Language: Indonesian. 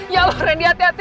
ya allah randy hati hati